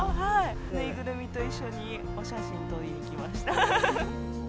縫いぐるみと一緒にお写真撮りにきました。